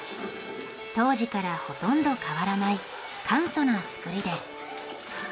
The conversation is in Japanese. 当時からほとんど変わらない簡素な造りです。